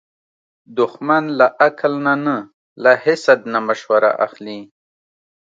دښمن له عقل نه نه، له حسد نه مشوره اخلي